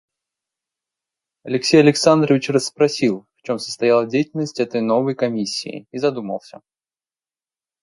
Алексей Александрович расспросил, в чем состояла деятельность этой новой комиссии, и задумался.